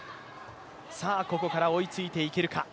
さあ、ここから追いついていけるか。